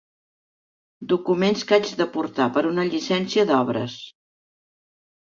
Documents que haig de portar per una llicència d'obres.